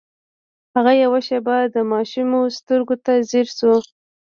هغه يوه شېبه د ماشومې سترګو ته ځير شو.